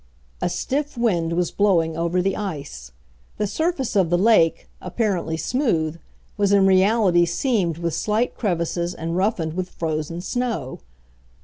A stiff wind was blowing over the ice. The surface of the lake, apparently smooth, was in reality seamed with slight crevices and rough ened with frozen snow.